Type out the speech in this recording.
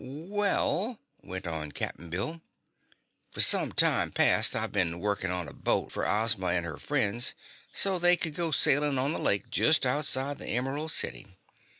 "Well," went on Cap'n Bill, "fer some time past I've been workin' on a boat fer Ozma an' her friends, so they could go sailin' on that lake jest outside the Emerald City.